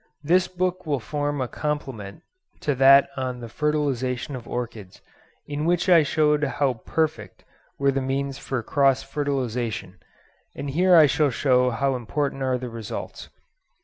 This book will form a complement to that on the 'Fertilisation of Orchids,' in which I showed how perfect were the means for cross fertilisation, and here I shall show how important are the results.